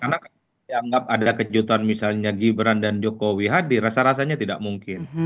karena kalau dianggap ada kejutan misalnya gibran dan jokowi hadir rasa rasanya tidak mungkin